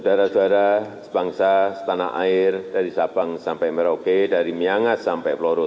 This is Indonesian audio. kay telah mencari penyelenggaraan yang berbeda yaitu penyelenggaraan yang berbeda